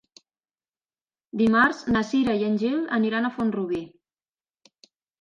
Dimarts na Cira i en Gil aniran a Font-rubí.